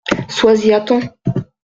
Sois-y à temps !